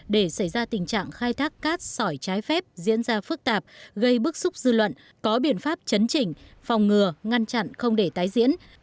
để xảy ra tình trạng khai thác cát sỏi trái phép diễn ra phức tạp gây bức xúc dư luận có biện pháp chấn chỉnh phòng ngừa ngăn chặn không để tái diễn